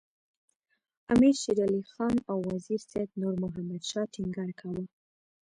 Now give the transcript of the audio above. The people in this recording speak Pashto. امیر شېر علي خان او وزیر سید نور محمد شاه ټینګار کاوه.